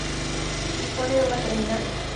Dispone de una terminal.